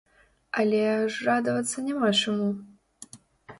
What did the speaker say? Але ж радавацца няма чаму.